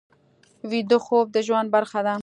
ویده خوب د ژوند برخه ده